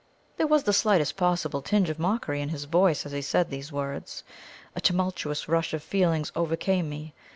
There was the slightest possible tinge of mockery in his voice as he said these words. A tumultuous rush of feelings overcame me.